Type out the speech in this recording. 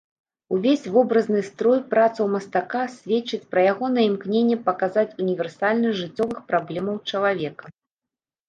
Увесь вобразны строй працаў мастака сведчыць пра ягонае імкненне паказаць універсальнасць жыццёвых праблемаў чалавека.